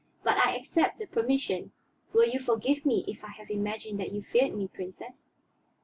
"But I accept the permission. Will you forgive me if I have imagined that you feared me, Princess?"